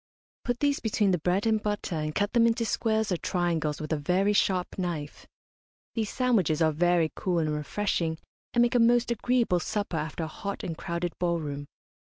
Put these between the bread and butter, and cut them into squares or triangles with a very sharp knife. These sandwiches are very cool and refreshing, and make a most agreeable supper after a hot and crowded ball room.